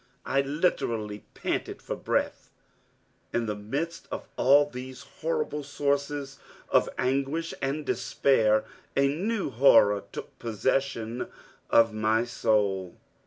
I literally panted for breath. In the midst of all these horrible sources of anguish and despair, a new horror took possession of my soul.